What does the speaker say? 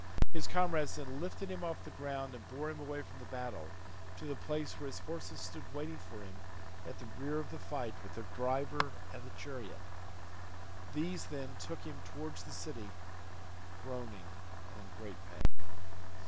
His comrades then lifted him off the ground and bore him away from the battle to the place where his horses stood waiting for him at the rear of the fight with their driver and the chariot; these then took him towards the city groaning and in great pain.